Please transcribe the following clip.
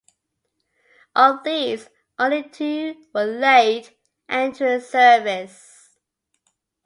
Of these, only two were late entering service.